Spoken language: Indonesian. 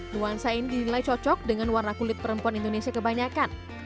nuansa ini dinilai cocok dengan warna kulit perempuan indonesia kebanyakan